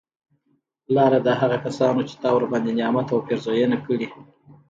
لاره د هغه کسانو چې تا ورباندي نعمت او پیرزونه کړي